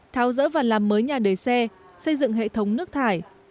tháo dỡ và làm mới nhà đề xe xây dựng hệ thống nước thải